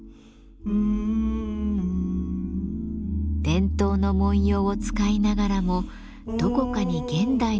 伝統の文様を使いながらもどこかに現代の感性を生かす。